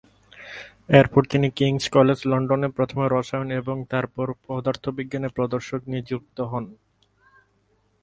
এরপর তিনি King's College London এ প্রথমে রসায়ন এবং তারপর পদার্থবিজ্ঞানের প্রদর্শক নিযুক্ত হন।